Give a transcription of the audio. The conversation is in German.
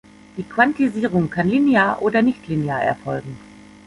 Die Quantisierung kann linear oder nichtlinear erfolgen.